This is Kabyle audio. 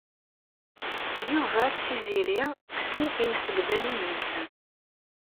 Yuba d Tiziri kksen imsegdalen-nsen.